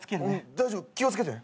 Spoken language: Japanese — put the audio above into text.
大丈夫気を付けてね。